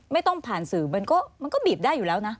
ไม่ต้องผ่านสื่อมันก็บีบได้อยู่แล้วนะ